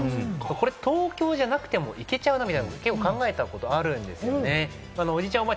これ東京じゃなくてもいけちゃうなというのを考えたことがあるんですよね。